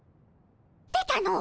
出たの。